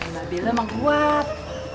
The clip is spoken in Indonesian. mbak be emang kuat